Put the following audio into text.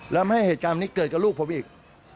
แล้วไม่ให้เหตุการณ์นี้เกิดกับลูกผมอีก